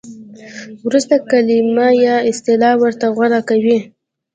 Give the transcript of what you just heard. ورسته کلمه یا اصطلاح ورته غوره کوي.